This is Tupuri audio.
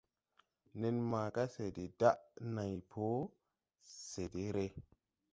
Nen maaga se de daʼ nãy po, se de re.